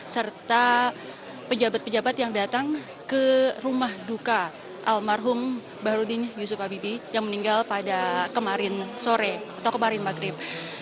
serta pejabat pejabat yang datang ke rumah duka almarhum bahrudin yusuf habibi yang meninggal pada kemarin sore atau kemarin maghrib